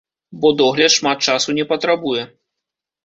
Бо догляд шмат часу не патрабуе.